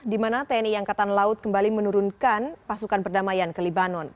di mana tni angkatan laut kembali menurunkan pasukan perdamaian ke libanon